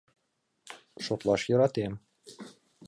Шотлаш йӧратем...